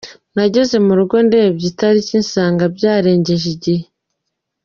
Nageze mu rugo ndebye itariki nsanga byarengeje igihe.